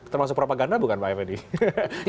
termasuk propaganda bukan pak effendi